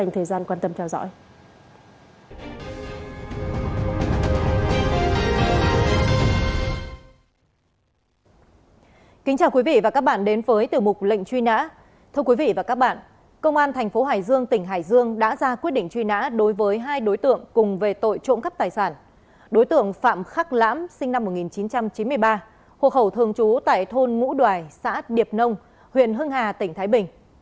phạm khắc lãm sinh năm một nghìn chín trăm chín mươi ba hộ khẩu thường trú tại thôn ngũ đoài xã điệp nông huyện hưng hà tỉnh thái bình